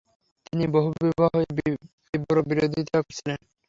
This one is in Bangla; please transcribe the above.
তিনি বহুবিবাহ এর তীব্র বিরোধিতা করেছিলেন।